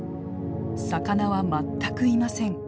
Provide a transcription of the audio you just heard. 魚は全くいません。